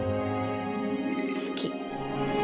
好き。